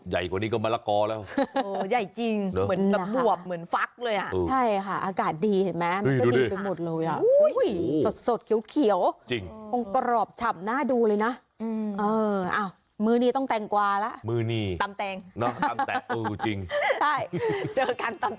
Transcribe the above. ใหญ่กว่านี้ก็มะระกอด์แล้ว